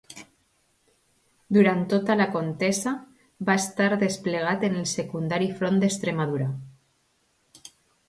Durant tota la contesa va estar desplegat en el secundari front d'Extremadura.